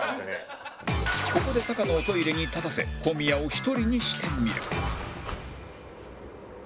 ここで高野をトイレに立たせ小宮を１人にしてみる